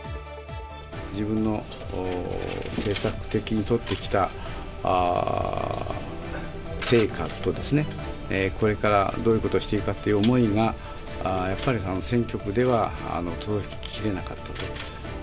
自分の政策的に取ってきた成果と、これからどういうことをしていくかという思いが、やっぱり選挙区では届けきれなかったと。